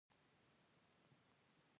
سپاه صحابه ورنه راټوکېدلي وو.